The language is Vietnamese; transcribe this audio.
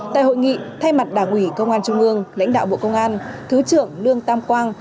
tại hội nghị thay mặt đảng ủy công an trung ương lãnh đạo bộ công an thứ trưởng lương tam quang